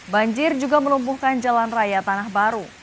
banjir juga melumpuhkan jalan raya tanah baru